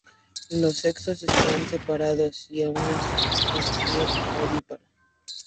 Los sexos están separados, y es una especie ovípara.